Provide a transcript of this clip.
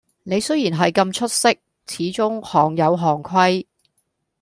你雖然系咁出色，始終行有行規